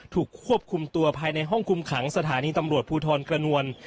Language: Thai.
ถูกควบคุมตัวภายในห้องคุมขังสถานีตำรวจภูทรกระนวล